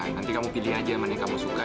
nanti kamu pilih aja mana yang kamu suka